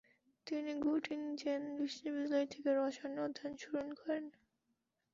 তিনি গুটিনজেন বিশ্ববিদ্যালয় থেকে রসায়নে অধ্যয়ন শুরু করেন।